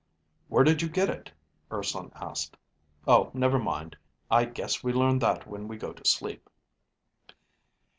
"Where did you get it?" Urson asked. "Oh, never mind. I guess we learn that when we go to sleep."